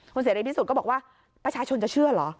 เสรีพิสุทธิ์ก็บอกว่าประชาชนจะเชื่อเหรอ